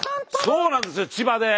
そうなんですよ千葉で！